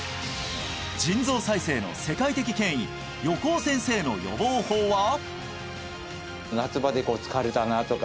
腎臓再生の世界的権威横尾先生の予防法は？